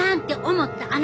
思った。